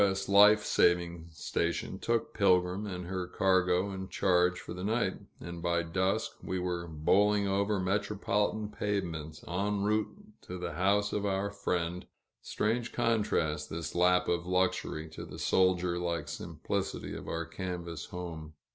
S. Life Saving Station took Pilgrim and her cargo in charge for the night, and by dusk we were bowling over metropolitan pavements en route to the house of our friend strange contrast, this lap of luxury, to the soldier like simplicity of our canvas home.